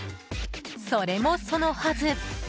それもそのはず。